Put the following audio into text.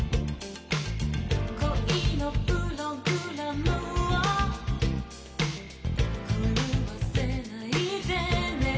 「恋のプログラムを狂わせないでね」